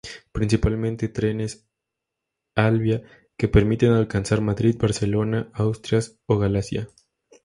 Principalmente trenes Alvia que permiten alcanzar Madrid, Barcelona, Asturias o Galicia.